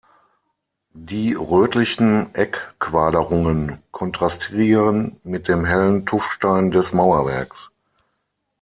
Die rötlichen Eckquaderungen kontrastieren mit dem hellen Tuffstein des Mauerwerks.